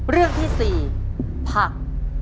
เรื่องที่๔ผัก